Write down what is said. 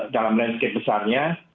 dalam landscape besarnya